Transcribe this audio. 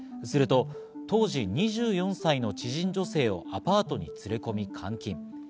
すると当時２４歳の知人女性をアパートに連れ込み、監禁。